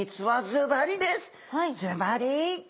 ずばり。